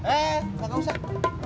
eh gak usah